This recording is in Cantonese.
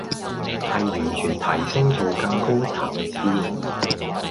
係完全提升做更高層次